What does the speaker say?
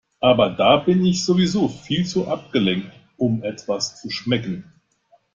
Aber da bin ich sowieso viel zu abgelenkt, um etwas zu schmecken.